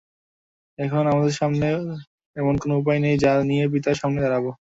এখন আমার সামনে এমন কোন উপায় নেই যা নিয়ে পিতার সামনে দাঁড়াব।